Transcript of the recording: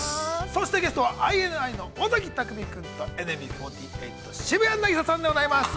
そして、ゲストはＩＮＩの尾崎匠海さんとＮＭＢ４８の渋谷凪咲さんでございます。